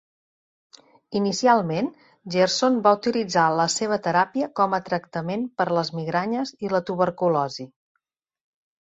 Inicialment, Gerson va utilitzar la seva teràpia com a tractament per a les migranyes i la tuberculosi.